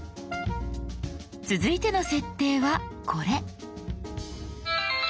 続いての設定はこれ。